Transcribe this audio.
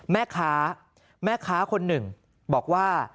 แม่ค้าแม่ค้าคนหนึ่งบอกว่า